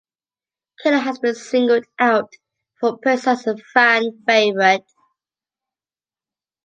"Killer" has been singled out for praise as a fan favourite.